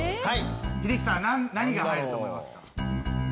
英樹さん何が入ると思いますか？